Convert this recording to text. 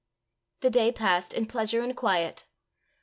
The day passed in pleasure and quiet.